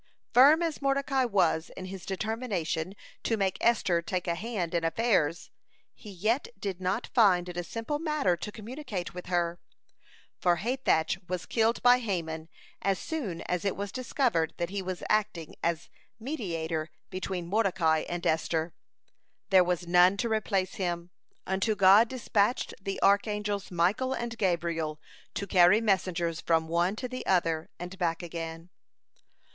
(136) Firm as Mordecai was in his determination to make Esther take a hand in affairs, he yet did not find it a simple matter to communicate with her. For Hathach was killed by Haman as soon as it was discovered that he was acting as mediator between Mordecai and Esther. (137) There was none to replace him, unto God dispatched the archangels Michael and Gabriel to carry messages from one to the other and back again.